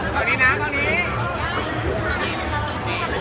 ตอนนี้ตอนนี้ตอนนี้งั้นใหม่